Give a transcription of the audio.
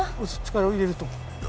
力を入れると。